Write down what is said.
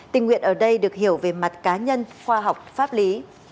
tình nguyện ở đây được hiểu về mặt cá nhân khoa học pháp lý